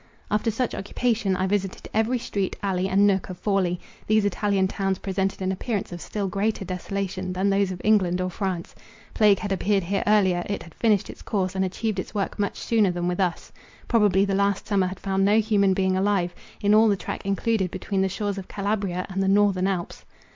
After such occupation, I visited every street, alley, and nook of Forli. These Italian towns presented an appearance of still greater desolation, than those of England or France. Plague had appeared here earlier—it had finished its course, and achieved its work much sooner than with us. Probably the last summer had found no human being alive, in all the track included between the shores of Calabria and the northern Alps.